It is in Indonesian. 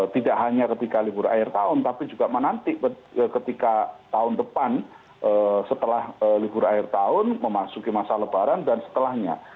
tidak hanya ketika libur air tahun tapi juga menanti ketika tahun depan setelah libur akhir tahun memasuki masa lebaran dan setelahnya